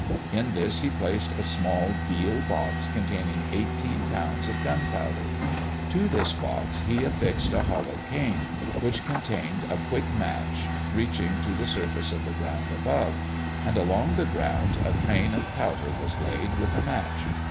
In this he placed a small deal box containing eighteen pounds of gunpowder. To this box he affixed a hollow cane, which contained a quick match, reaching to the surface of the ground above; and along the ground a train of powder was laid, with a match.